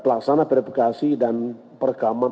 pelaksana verifikasi dan pertanggungjawab